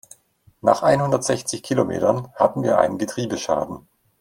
Nach einhundertsechzig Kilometern hatten wir einen Getriebeschaden.